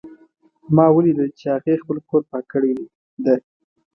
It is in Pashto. ما ولیدل چې هغې خپل کور پاک کړی ده